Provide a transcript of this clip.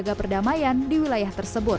menjaga perdamaian di wilayah tersebut